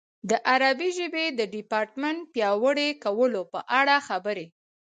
د عربي ژبې د ډیپارټمنټ پیاوړي کولو په اړه خبرې.